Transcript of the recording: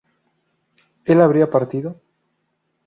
¿él habría partido?